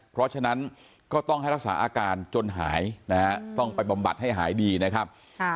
เพราะฉะนั้นก็ต้องให้รักษาอาการจนหายนะฮะต้องไปบำบัดให้หายดีนะครับ